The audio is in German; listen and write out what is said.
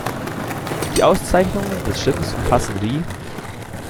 Die Auszeichnungen des Schiffes umfassen die